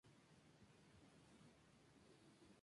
Los colores más habituales son el bayo, castaño, tordo y alazán.